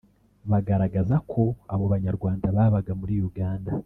bagaragaza ko abo Banyarwanda babaga muri Uganda